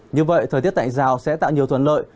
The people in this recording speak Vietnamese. như vậy thời tiết tại rào sẽ tạo nhiều thuận lợi